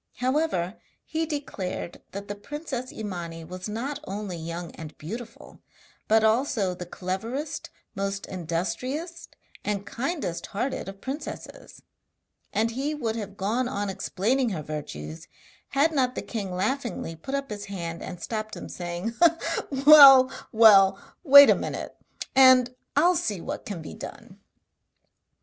However, he declared that the princess Imani was not only young and beautiful, but also the cleverest, most industrious, and kindest hearted of princesses; and he would have gone on explaining her virtues had not the king laughingly put up his hand and stopped him saying: 'Well, well, wait a minute, and I will see what can be done.'